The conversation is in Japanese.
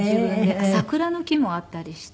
桜の木もあったりして。